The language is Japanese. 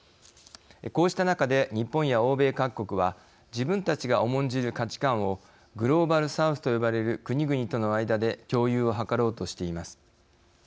こうした中で日本や欧米各国は自分たちが重んじる価値観をグローバル・サウスと呼ばれる国々との間で共有をはかろうとしています。